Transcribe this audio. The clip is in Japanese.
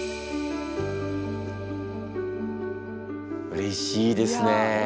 うれしいですねえ。